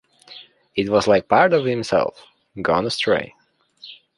It was like part of himself, gone astray.